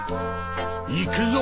いくぞ！